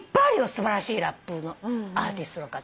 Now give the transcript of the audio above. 素晴らしいラップのアーティストの方。